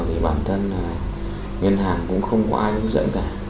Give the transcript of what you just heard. thì bản thân là ngân hàng cũng không có ai hướng dẫn cả